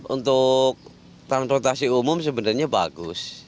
untuk transportasi umum sebenarnya bagus